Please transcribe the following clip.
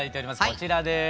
こちらです。